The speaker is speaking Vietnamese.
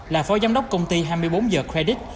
là phó giám đốc công ty hai mươi bốn h credit